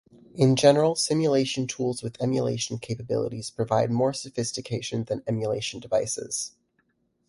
In general simulation tools with emulation capabilities provide more sophistication than emulation devices.